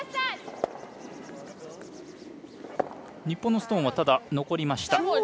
日本のストーンは残りました。